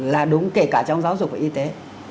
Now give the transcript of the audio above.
là đúng kể cả trong giáo dục và y tế